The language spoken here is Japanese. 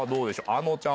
あのちゃん